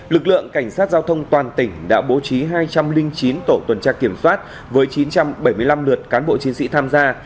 lực lượng cảnh sát giao thông toàn tỉnh đã bố trí hai trăm linh chín tổ tuần tra kiểm soát với chín trăm bảy mươi năm lượt cán bộ chiến sĩ tham gia